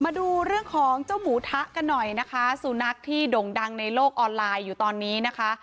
มาดูเรื่องของเจ้าหมูทะกันหน่อยนะคะสุนัขที่ด่งดังในโลกออนไลน์อยู่ตอนนี้นะคะ